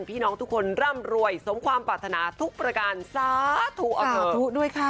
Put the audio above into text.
พี่น้องทุกคนร่ำรวยสมความปรารถนาทุกประการสาธุอธุด้วยค่ะ